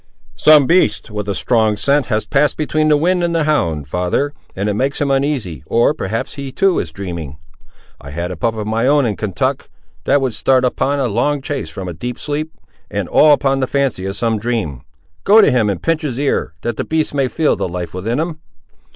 "Some beast, with a strong scent, has passed between the wind and the hound, father, and it makes him uneasy; or, perhaps, he too is dreaming. I had a pup of my own, in Kentuck, that would start upon a long chase from a deep sleep; and all upon the fancy of some dream. Go to him, and pinch his ear, that the beast may feel the life within him."